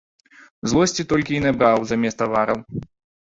Злосці толькі і набраў замест тавараў.